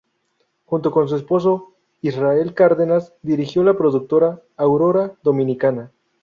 Junto con su esposo, Israel Cárdenas, dirigen la productora Aurora Dominicana.